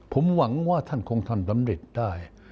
ผมหวังว่าท่านคงทำสำเร็จได้